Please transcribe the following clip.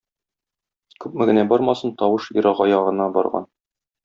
Күпме генә бармасын, тавыш ерагая гына барган.